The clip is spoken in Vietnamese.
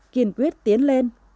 kiên quyết tiến lên